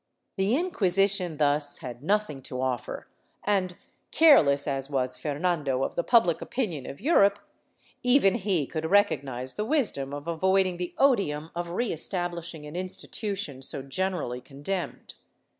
The Inquisition thus had nothing to offer and, careless as was Fernando of the public opinion of Europe, even he could recognize the wisdom of avoiding the odium of re establishing an institu tion so generally condemned.